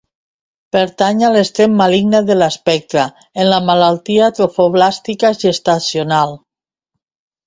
Pertany a l'extrem maligne de l'espectre en la malaltia trofoblàstica gestacional.